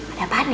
ada apaan ya